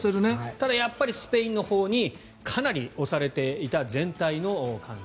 ただスペインのほうにかなり押されていた全体の感じ。